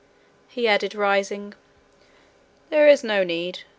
he added, rising. 'There is no need.